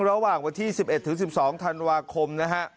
ระหว่างวันที่๑๑๑๒ธันวาคมนะฮะ